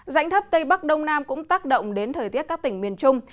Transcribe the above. rãnh thấp tây bắc đông nam cũng tác động đến thời tiết các tỉnh miền trung